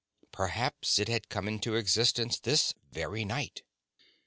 Perhaps it had come into existence this very night.